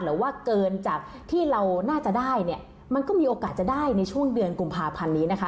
หรือว่าเกินจากที่เราน่าจะได้เนี่ยมันก็มีโอกาสจะได้ในช่วงเดือนกุมภาพันธ์นี้นะคะ